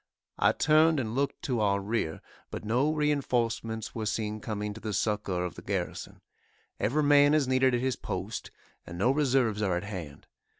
I turned and looked to our rear, but no reinforcements were seen coming to the succor of the garrison. Every man is needed at his post, and no reserves are at hand.